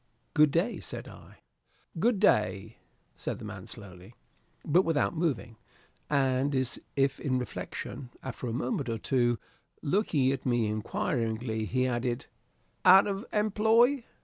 "Good day," said I. "Good day," said the man slowly, but without moving, and as if in reflection. After a moment or two, looking at me inquiringly, he added, "Out of employ?"